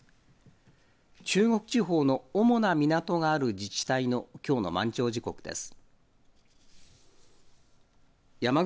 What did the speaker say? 中国地方の主な港がある自治体のきょうの満潮時刻です。